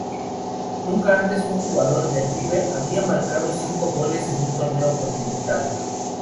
Nunca antes un jugador de River había marcado cinco goles en un torneo continental.